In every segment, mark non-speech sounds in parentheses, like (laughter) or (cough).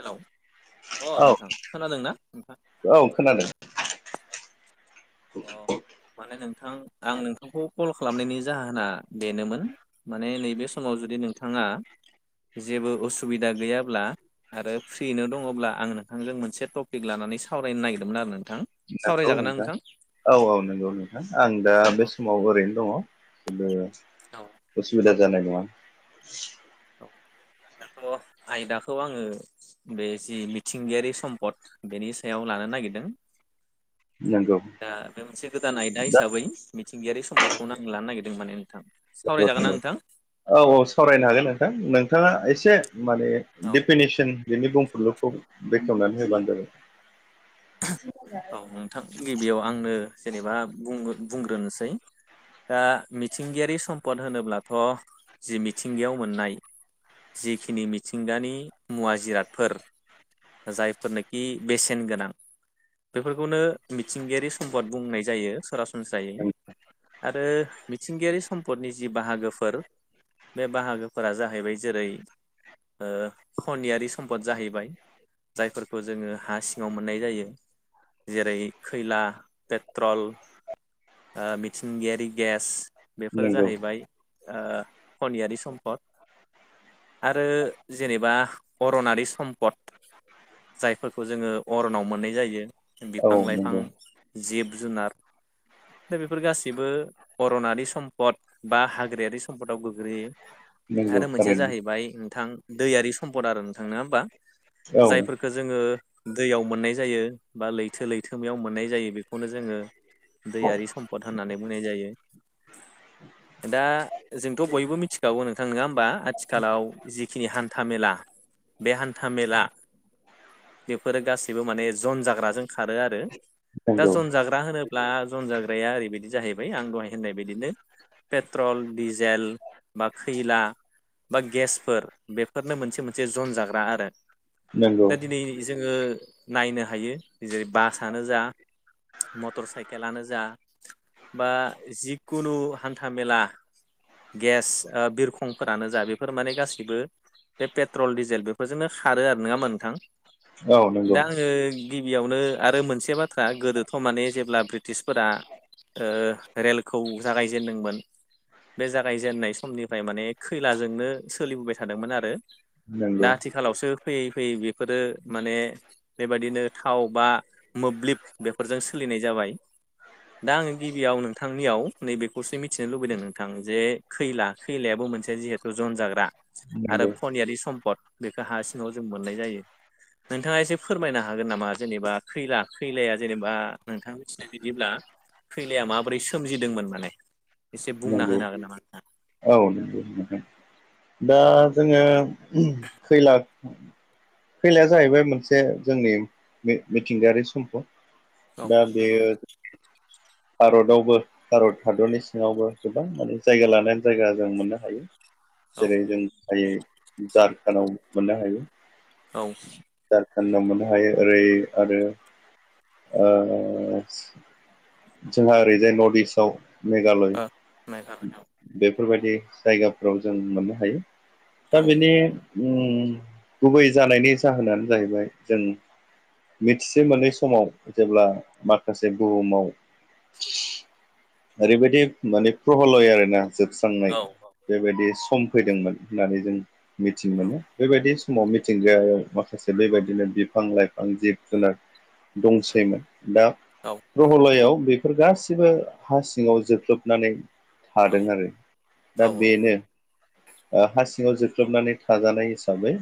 Hello अ औ नोंथां खोनादों ना नोंथां औ खोनादों अ माने नोंथां आं नोंथांखौ कल खालामनायनि जाहोना बेनोमोन। माने नैबे समाव जुदि नोंथांङा जेबो उसुबिदा गैयाब्ला आरो फ्रियैनो दङ'ब्ला आं नोंथांजों मोनसे टपिक लानानै सावरायनो नागिरदोंमोन आरो नोंथां नोंगौ सावरायजागोन ना नोंथां औ औ नंगौ नोंथां आं दा बे औ समाव समाव ओरैनो दङ' (unintelligible) उसु बिदा जानाय नंआ औ दाथ' आयदाखौ आंङो। बे जि मिथिंगायारि सम्पद बेनि सायाव लानो नागिरदों नंगौ दा बे मोनसे गोदान आयदा दा हिसाबै मिथिंगायारि सम्दखौनो आं लानो नागिरदों माने नोंथां सावरायजागोन ना नोंथां? औ औ सावरायनो हागोन नोंथां नोंथांङा एसे माने औ डफिनेसन बिनि बुंफलुखौ बेखेवनानै होबानो जाबाय औ नोंथां गिबियाव आंनो जेनेबा बुंग्रोनोसै दा मिथिंगायारि सम्पद होनोब्लाथ' जि मिथिंगायाव मोननाय जखिनि मिथिंगानि मुवा जिरादफोर जायफोरनोखि बेसेन गोनां बेफोरखौनो मिथिंगायारि सम्पद बुंनाय जायो सरासनस्रायै आरो मिथिंगायारि सम्पदनि जि बाहागोफोर बे बाहागोफोरा जाहैबाय जेरै ओ खनियारि सम्पद जाहैबाय जायफोरखौ जोङो हा सिङाव मोन नाय जायो जेरै खैला पेट्रल। ओ मिथिंगायारि गेस बेफोरो नंगौ जाहैबाय। ओ खनियारि सम्पद। आरो जेनेबा अरनारि सम्पद। जायफोरखौ जोङो अरनाव मोननाय जायो औ बिफां लाइफां। नंगौ जिब जुनार दा बेफोर गासैबो अरनारि सम्पद बा हाग्रायारि सम्पदाव गोग्लैयो। नंगौ आरो मोनसेया थारैनो जाहैबाय नोंथां दैयारि सम्पद आरो नोंथां नोङा होमबा औ जायफोर जोङो दैयाव मोननाय जायो बा लैथो लैथोमायाव मोननाय जायो बेखौनो जोङो दैयारि सम्पद होननानै बुंनाय जायो। दा जोंथ' बयबो मिथिखागौ नोंथां नोङा होमबा आथिखालाव जिखिनि हान्था मेला। बे हान्था मेला बेफोरो गासैबो माने जन जाग्राजों खारो आरो। दा नंगौ जन जाग्रा होनोब्ला जन जाग्राया ओरैबायदि जाहैबाय आं दहाय होननाय बायदिनो। पेट्रल डिजेल बा खैला बा गेसफोर बेफोरनो मोनसे मोनसे जन जाग्रा आरो नंगौ दा दिनै जोङो नायनो हायो जेरै बासानो जा मटर साइकेलानो जा बा जिखुनु हान्था मेला गेस बिरखंफोरानो जा बेफोर माने गासैबो बे पेट्रल डिजेल बेफोरजोंनो खारो आरो नोङा होनबा नोंथां? औ नंगौ दा आङो गिबियावनो आरो मोनसे बाथ्रा गोदोथ' माने जेब्ला ब्रिटिसफोरा ओ रेलखौ जागायजेनदोंमोन। बे जागायजेननाय समनिफ्राय माने खैलाजोंनो सोलिबोबाय थादोंमोन आरो। नंगौ दा आथिखालावसो फैयै फैयै बेफोरो माने बेबायदिनो थाव बा मोब्लिब बेफोरजों सोलिनाय जाबाय। दा आङो गिबियाव नोंथांनियाव नैबेखौसो मिथिनो लुबैदों नोंथां जे खैला खैलायाबो मोनसे जिहेथु जन जाग्रा। आरो नंगौ खनियारि सम्पद बेखौ हा सिङाव जों मोननाय जायो। नोंथाङा एसे फोरमायनो हागोन नामा जेनेबा खैला खैलाया जेनेबा नोंथां मिथिनाय बायदिब्ला खैलाया माबोरै सोमजिदोंमोन माने एसे बुंना नंगौ होनो हागोन नामा नोंथां? औ नोंगौ नोंथां दा जोङो खैला खैलाया जाहैबाय मोनसे जोंनि मिथिंगायारि सम्पद। औ दा नंगौ बेयो भारतावबो भारत हादरनि सिङावबो गोबां माने जायगा लानान जायगा जों मोननो हायो नोंथां औ जेरै जों हायो झारखान्डआव मोननो हायो। औ झारखान्डआव मोननो हायो ओरै आरो ओ जोंहा ओरैजाय नर्थ इस्टआव मेघालय मेघालय औ बेफोरबायदि जायगाफ्राव जों मोननो हायो। दा औ बेनि उम गुबै जानायनि जाहोनानो जाहैबाय जों मिथिसे मोनै समाव जेब्ला माखासे बुहुमाव ओरैबायदि माने प्रहल'य आरोना जोबस खांनाय औ औ बेबायदि सम फैदोंमोन होननानै जों मिथिनो औ मोनो। बेबायदि समाव मिथिंगायाव माखासे बेबायदिनो बिफां लाइफां जिब जुनार दंसैमोन दा औ प्रहलयाव बेफोर गासिबो हा सिङाव जोख्लोबनानै औ थादों आरो दा औ बेनो। ओ हा सिङाव जोख्लबनानै थाजानाय हिसाबै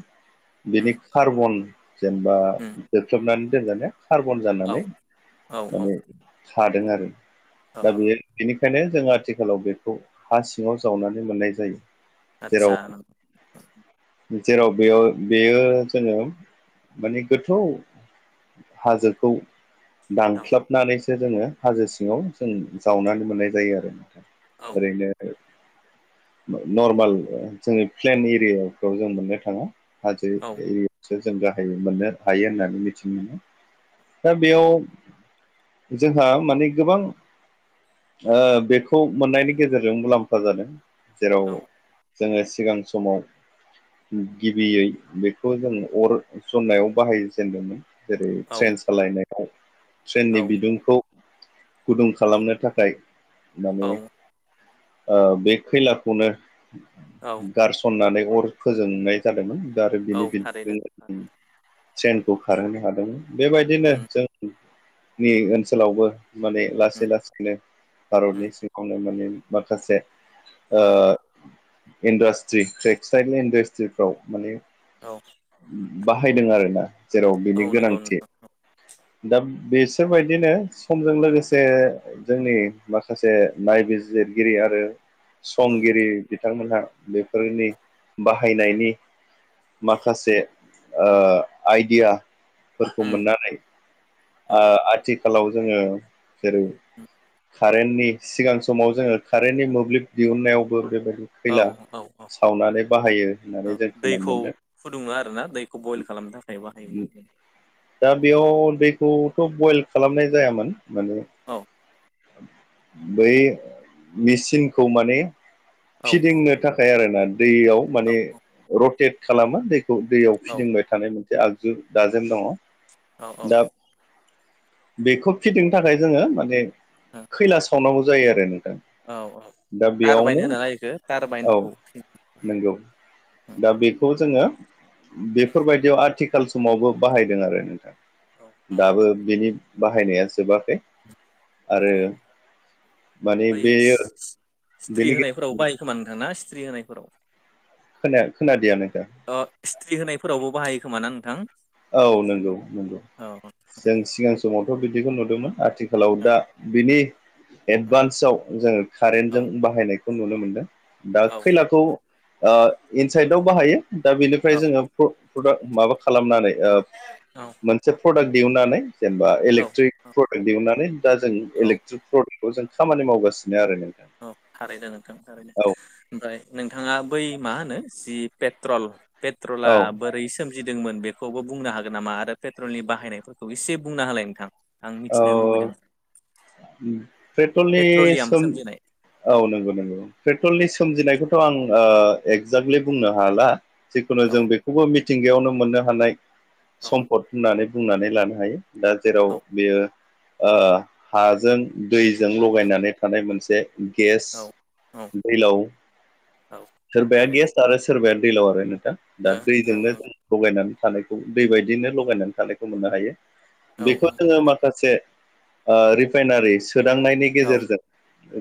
बिनि उम कार्बन जेनेबा उम जोख्लोबनानै दोनजादों कार्बन औ जानानै औ औ माने थादों आरो अ दा बेयो बिनिखायनो जों आथिखालाव बेखौ हा सिङाव जावनानै मोननाय जायो। जेराव आतच्छा नो जेराव बेयाव बेयो जोङो माने गोथौ हाजोखौ औ दानख्लाबनानैसो जोङो हाजो सिङाव जों जावनानै मोननाय जायो आरो औ ओरैनो नर्माल ओ जोंनि प्लेन एरियायाव खौ जों मोननो थाङा हाजो औ एरिया सो जों गाहायै मोननो हायो होननानै मिथिनो मोनो दा बेयाव जोंहा माने गोबां ओ बेखौ मोननायनि गेजेरजों मुलाम्फा जादों जेराव औ जोङो सिगां समाव गिबियै बेखौ जों अर सननायाव बाहायजेेनदोंमोन जेरै औ ट्रेन सालायनायाव ट्रेननि बिदुंखौ गुदुं खालामनो थाखाय माने औ ओ बे खैलाखौनो औ गारसननानै अर फोजोंनाय जादोंमोन दा आरो औ बिनि थारैनो (unintelligible) ट्रेनखौ खारहोनो हादोंमोन बेबायदिनो उम जोंनि ओनसोलावबो माने लासै उम लासैनो उम भारतनि सिङावनो माने माखासे ओ उम इन्डास्ट्रि टेक्सटाइल इन्डास्ट्रिफ्राव माने औ बाहायदों आरोना जेराव औ बिनि नंगौ गोनांथि दा बिसोरबायदिनो समजों लोगोसे जोंनि माखासे नायबिजिरगिरि आरो नोंथां समगिरि बिथांमोनहा बेफोरनि बाहायनायनि माखासे ओ आइडिया फोरखौ उम मोननानै औ ओ आथिखालाव जोङो जेरै कारेन्टनि सिगां समाव जोङो कारेन्टनि मोब्लिब दिहुननायावबो बेबायदि खैला सावनानै बाहायो ओ होननानै जों दैखौ खोनानो फुदुङो आरोना दैखौ बयल खालामनो थाखाय मोनदों बाहायोमोन दा बेयाव दैखौथ' बयल खालामनाय जायामोन माने औ बै मेचिनखौ माने औ फिदिंनो थाख फायआरोना दैयाव औ माने रटेट खालामो दैखौ दैयाव औ फिदिंबाय थानाय मोनसे आगजु दाजेम दङ औ औ दा बेखौ फिदिंनो थाखाय जोङो माने खैला सावनांगौ जायो आरो नोंथां औ औ दा बेयावनो टारबाइन होनोना इखो टारबाइनखौ नोंगौ दा बेखौ जोङो उम बेफोरबायदियाव आथि खाल समावबो बाहायदों आरो नोंथां औ दाबो बेनि बाहायनाया जोबाखै आरो ओमफ्राय माने बाय सि बेयो सि स्थ्रि बेनि होनाय फोराव बाहायो खोना खोमा नोंथां ना सिथ्रि होनायफोराव खाया खोनादिया नोंथां ओ स्त्री होनायफोरावबो बाहायो खोमा ना नोंथां औ नोंगौ नोंगौ औ जों सिगां समावथ' बिदिखौ नुदोंमोन आथिखाल खालाव औ दा बिनि एडभान्सआव जोङो औ कारेन्टजों बाहायनायखौ नुनो मोनदों दा औ खैलाखौ ओ इनसाइदआव बाहायो दा बेनिफ्राय औ जोङो प्रडाक्ट माबा खालामनानै ओ औ मोनसे प्रडाक्ट दिहुनानै जेनेबा औ इलेक्ट्रिक प्रडाक्ट दिहुननानै दा जों औ इलेक्ट्रिक प्रडाक्ट बेखौ जों खामानि मावगासिनो आरो नोंथां औ थारैनो नोंथां थारैनो औ ओमफ्राय नोंथाङा बै मा होनो जि पेट्रल पेट्रला औ बोरै सोमजिदोंमोन बेखौबो बुंनो हागोन नामा आरो पेट्रलनि बाहायनायफोरखौ इसे बुंनो हालाय नोंथां आं औ मिथिनो लुबैदों पेट्रलनि पेट्रलियाम सोम सोमजिनाय औ नंगौ नंगौ पेट्रलनि सोमजिनायखौथ' आं ओ एक्जेक्टलि बुंनो हाला जिखुनु औ जों बेखौबो मिथिंगायावनो मोननो हानाय औ सम्पद होननानै बुंनानै लानो हायो दा जेराव औ बेयो ओ हाजों दैजों लगायनानै थानाय मोनसे गेस औ औ दैलाव औ सोरबाया थारैनो गेस आरो सोरबाया दैलाव आरो नोंथां दा ओ ओं दैजोंनो नंगौ लगायनानै थानायखौ दै बायदिनो लगायनानै थानायखौ मोननो हायो औ बेखौ जोङो माखासे ओ रिफाइनारि सोदांनायनि औ गेजेरजों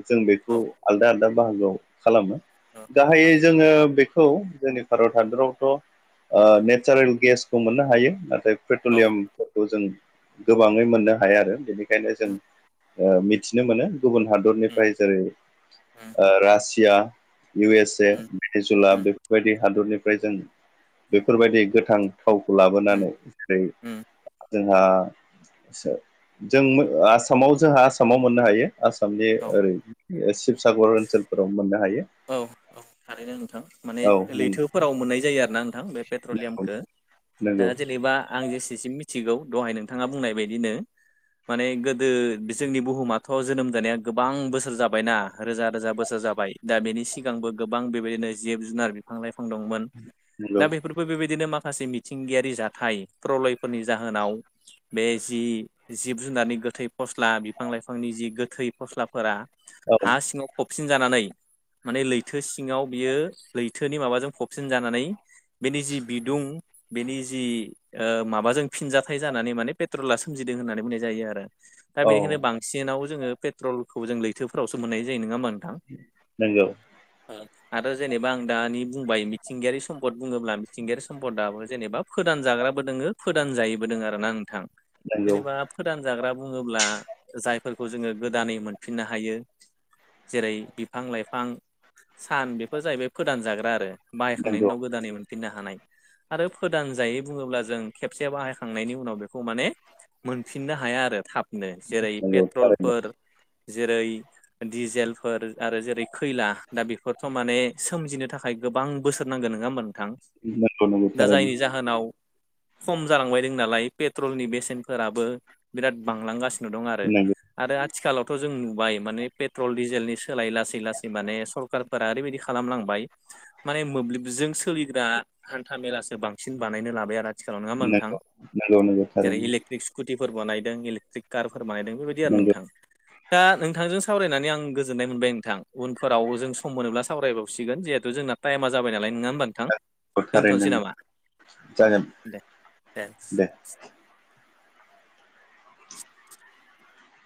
जों बेखौ औ आलदा आलदा बाहागोआव खालामो औ गाहायै जोङो बेखौ खौ जोंनि भारत हादरावथ' ओ नेचारेल गेसखौ मोननो हायो नाथाय औ पेट्रलियामफोरखौ जों गोबाङै मोननो हाया आरो बेखायनो जों उम ओ मिथिनो मोनो गुबुन उम हादरनिफ्राय जेरै रासिया इउ एस ए उम ब्रिजुला उम बेफोरबायदि हादरनिफ्राय जों बेफोरबायदि गोथां थावखौ उम लाबोनानै ओमफ्राय उम जोंहा जों आसामाव जोंहा आसामाव मोननो हायो आसामनि औ ओरै ओ शिबसागर ओनसोलफोराव मोननो हायो औ औ थारैनो नोंथां माने औ नंगौ लैथोफोराव मोननाय जायो आरोना बे पेट्रलियामखो नंगौ दा जेनेबा आं जेसेसिम मिथिगौ दहाय नोंथाङा बुंनाय बायदिनो माने गोदो जोंनि बुहुमाथ' जोनोम जानाया गोबां बोसोर जाबायना रोजा रोजा बोसोर जाबाय दा बेनि सिगांबो गोबां बेबायदिनो जिब जुनार बिफां लाइफां दंमोन नंगौ दा बेफोर थेवबो बेबायदिनो माखासे मिथिंगायारि जाथाय प्रलयफोरनि जाहोनाव बे जि जिब जुनारनि गोथै फस्ला बिफां लाइफांनि जि गोथै फस्लाफोरा औ हा सिङाव फबसिन जानानै माने लैथो सिङाव बियो लैथोनि माबाजों फबसिन जानानै बेनि जि बिदुं बेनि जि माबाजों फिनजाथाइ जानानै माने पेट्रला सोमजिदों होननानै बुंनाय जायो आरो दा औ बेनिखायनो बांसिनाव जोङो पेट्रलखौ जों लैथोफोरावो मोननाय जायो नङा होमबा नोंथां नोंगौ औ आरो जेनेबा आं दानि बुंबाय मिथिंगायारि सम्पद बुङोब्ला मिथिंगायारि सम्पदाबो जेनेबा फोदान जाग्राबो दोङो फोदान जायिबो दोङो आरो ना नोंथां नंगौ जेनेबा फोदान जाग्रा बुङोब्ला जायफोरखौ जोङो गोदानै मोनफिननो हायो जेरै बिफां लाइफां फां सान बेफोर जाहैबाय फोदान जाग्रा आरो बाहायखांनायनि नंगौ उनाव गोदानै मोनफिननो हानाय आरो फोदान जायै बुङोब्ला जों खेबसे बाहायखांनायनि उनाव बेखौ माने मोनफिननो हाया आरो थाब जेरै नंगौ थारैनो पेट्रलफोर जेरै दिजेलफोर आरो जेरै खैला दा बेफोरथ' माने सोमजिनो थाखाय गोबां बोसोर नांगोन नोङा होमबा नोंथां नंगौ नंगौ दा थारैनो जायनि जाहोनाव खम जालांबाय दं नालाय पेट्रलनि बेसेनफोराबो बिराद बांलांगासिनो दं आरो नंगौ आरो आथिखालावथ' जों नुबाय माने पेट्रल डिजेलनि सोलाय लासै लासै माने सरखारारफोरा ओरैबायदि खालामलांबाय माने मोब्लिबजों सोलिग्रा हान्था मेलासो बांसिन बानायनो लाबाय आरो आथिखालाव नङा होनबा नोंथां नंगौ नंगौ जेरै थारैनो इलेकट्रिक स्कुटिफोर बानायदों इलेक्ट्रिक कारफोर बानायदों बेबायदि आरो नोंथां, नंगौ ‌ दा नोंथांजों सावरायनानै आं गोजोननाय मोनबाय नोंथां उनफोराव जों सम मोनोब्ला सावरायबावसिगोन जिहेथु जोंना टाइमा जाबाय नालाय नङा होनोबानो नोंथां थारैनो दोनथ'नोसै नामा औ जागोन दे दे